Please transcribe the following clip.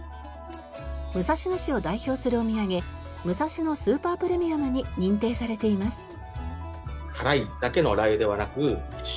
武蔵野市を代表するお土産むさしのスーパープレミアムに認定されています。